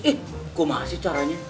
ih kok mahasis caranya